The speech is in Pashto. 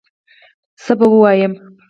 څه به ووایم